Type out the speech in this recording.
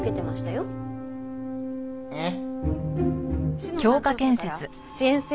えっ？